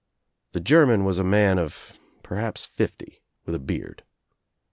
The German was a man of perhaps fifty, with a beard.